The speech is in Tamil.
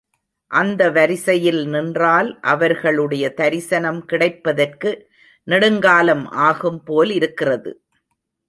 அந்த வரிசையில் நின்றால் அவர்களுடைய தரிசனம் கிடைப்பதற்கு நெடுங்காலம் ஆகும் போல் இருக்கிறது.